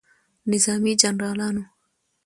نظامي جنرالانو